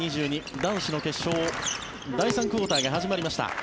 男子の決勝第３クオーターが始まりました。